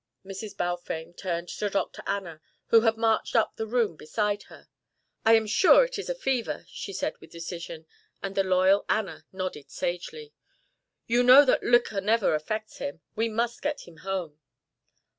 Mrs. Balfame turned to Dr. Anna, who had marched up the room beside her. "I am sure it is fever," she said with decision, and the loyal Anna nodded sagely. "You know that liquor never affects him. We must get him home."